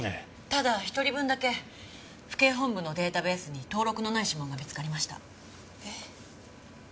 ただ１人分だけ府警本部のデータベースに登録のない指紋が見つかりました。え？